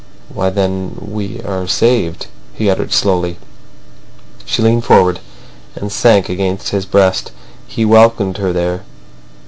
"Why, then—we are saved," he uttered slowly. She leaned forward, and sank against his breast. He welcomed her there.